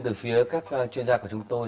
từ phía các chuyên gia của chúng tôi